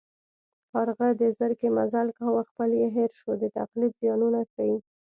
کارغه د زرکې مزل کاوه خپل یې هېر شو د تقلید زیانونه ښيي